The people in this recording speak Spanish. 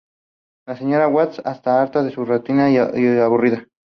La señora Watts está harta de su rutinaria y aburrida vida.